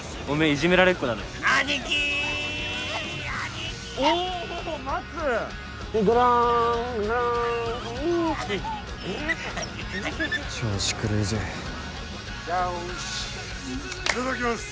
いただきます。